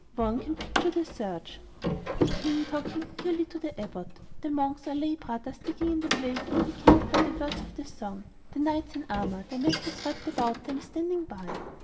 One can picture the search: the King talking eagerly to the Abbot; the monks or lay brothers digging in the place indicated by the words of the song; the knights in armour, their mantles wrapped about them, standing by.